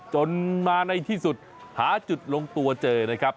จนมาในที่สุดหาจุดลงตัวเจอนะครับ